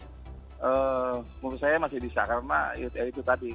menurut saya masih bisa karena itu tadi